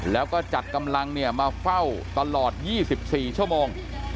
แล้วก็จัดกำลังมาเฝ้าตลอด๒๔ชั่วโมง